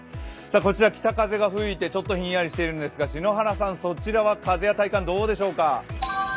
こちら北風が吹いてちょっとひんやりしていますが篠原さん、そちらは風や体感はどうでしょうか？